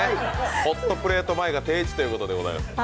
ホットプレート前が定位置ということでございます。